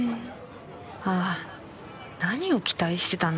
ああ何を期待してたんだ？